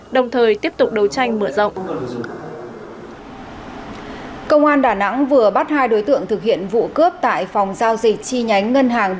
để tự bảo quản tài sản